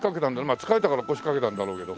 まあ疲れたから腰掛けたんだろうけど。